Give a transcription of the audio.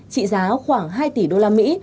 trị giá khoảng hai tỷ đô la mỹ